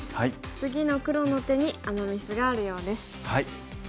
次の黒の手にアマ・ミスがあるようです。